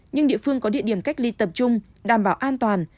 nhưng địa phương có địa điểm cách ly tập trung đảm bảo an toàn